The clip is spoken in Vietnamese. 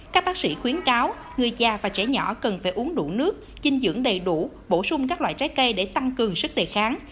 các bác sĩ khuyến cáo người già và trẻ nhỏ cần phải uống đủ nước dinh dưỡng đầy đủ bổ sung các loại trái cây để tăng cường sức đề kháng